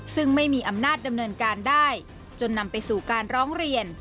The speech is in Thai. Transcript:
ซึ่งไม่มีอำนาจดำเนินการได้จนนำไปสู่การร้องเรียน